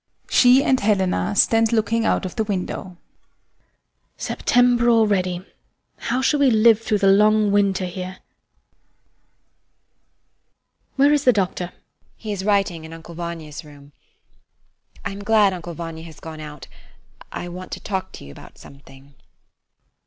[She and HELENA stand looking out of the window.] HELENA. September already! How shall we live through the long winter here? [A pause] Where is the doctor? SONIA. He is writing in Uncle Vanya's room. I am glad Uncle Vanya has gone out, I want to talk to you about something.